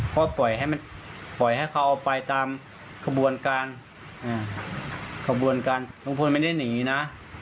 ก็ปล่อยให้เค้าเอาไปตามขบวนการลุงพลไม่ได้หนีนะ